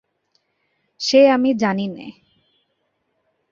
সে আমি জানি নে।